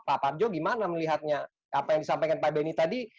pak parjo gimana melihatnya apa yang disampaikan pak benny tadi